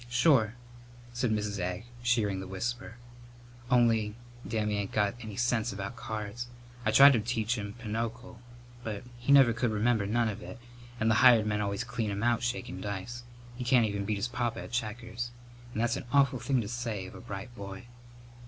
"Sure," said Mrs. Egg, shearing the whisper. "Only Dammy ain't got any sense about cards. I tried to teach him pinochle, but he never could remember none of it, and the hired men always clean him out shakin' dice. He can't even beat his papa at checkers. And that's an awful thing to say of a bright boy!"